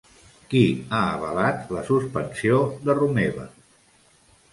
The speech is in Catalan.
Qui ha avalat la suspensió de Romeva?